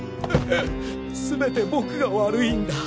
全て僕が悪いんだ。